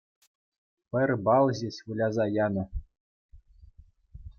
Пӗр балл ҫеҫ выляса янӑ